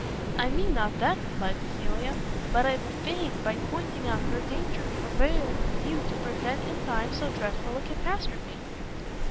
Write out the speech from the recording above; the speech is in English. "I mean not that," replied Cecilia, "but I would fain, by pointing out your danger, prevail with you to prevent in time so dreadful a catastrophe."